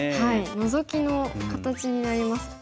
ノゾキの形になりますよね。